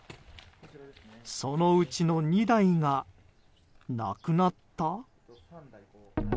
そのうちの２台が、なくなった？